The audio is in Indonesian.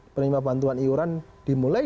penerima bantuan iuran dimulai